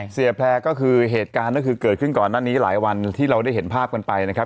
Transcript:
แพร่ก็คือเหตุการณ์ก็คือเกิดขึ้นก่อนหน้านี้หลายวันที่เราได้เห็นภาพกันไปนะครับ